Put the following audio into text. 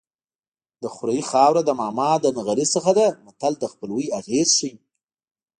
د خوریي خاوره د ماما له نغري څخه ده متل د خپلوۍ اغېز ښيي